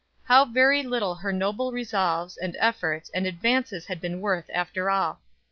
How very little her noble resolves, and efforts, and advances had been worth after all.